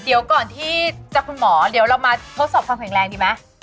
เดี๋ยวก่อนที่จากคุณหมอเดี๋ยวเรามาทดสอบความแข็งแรงดีไหม